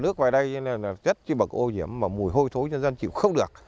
nước vào đây là chất chứ bậc ô nhiễm mà mùi hôi thối nhân dân chịu không được